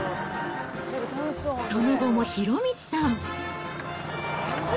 その後も博道さん。